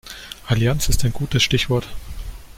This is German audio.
Allianz ist ein gutes Stichwort.